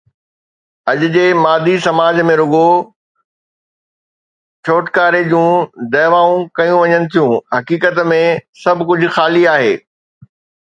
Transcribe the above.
اڄ جي مادي سماج ۾ رڳو ڇوٽڪاري جون دعوائون ڪيون وڃن ٿيون، حقيقت ۾ سڀ ڪجهه خالي آهي.